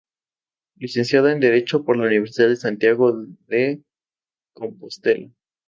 Licenciada en derecho por la Universidad de Santiago de Compostela.